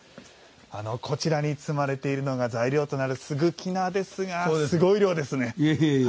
こちらに積まれているのが材料となる、すぐき菜ですがすごい量ですね。